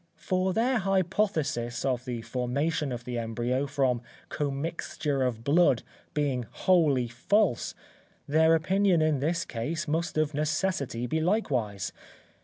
For their hypothesis of the formation of the embryo from commixture of blood being wholly false, their opinion in this case must of necessity be likewise.